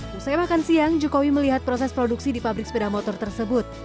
setelah makan siang jokowi melihat proses produksi di pabrik sepeda motor tersebut